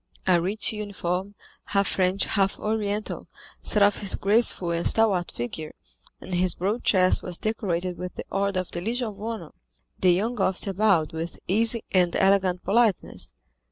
A rich uniform, half French, half Oriental, set off his graceful and stalwart figure, and his broad chest was decorated with the order of the Legion of Honor. The young officer bowed with easy and elegant politeness.